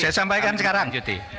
saya sampaikan sekarang